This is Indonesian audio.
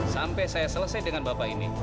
sampai saya selesai dengan bapak ini